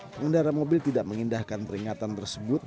pengendara mobil tidak mengindahkan peringatan tersebut